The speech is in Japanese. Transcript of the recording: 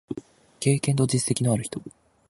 経験と実績のある人